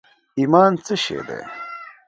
ایمان څه شي دي؟